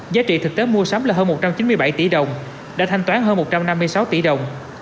giá trị thực tế mua sắm là hơn một trăm chín mươi bảy tỷ đồng đã thanh toán hơn một trăm năm mươi sáu tỷ đồng